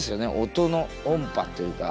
音の音波っていうか。